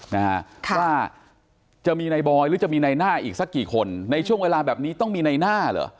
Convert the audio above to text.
นะฮะค่ะว่าจะมีในบอยหรือจะมีในหน้าอีกสักกี่คนในช่วงเวลาแบบนี้ต้องมีในหน้าเหรอ